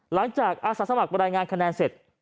หลังจากอาศักดิ์สมัครบรรยายงานคะแนนเสร็จ